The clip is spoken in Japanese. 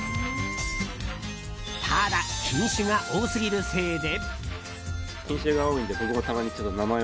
ただ、品種が多すぎるせいで。